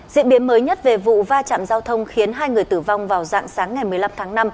diễn biến mới nhất về vụ va chạm giao thông khiến hai người tử vong vào dạng sáng ngày một mươi năm tháng năm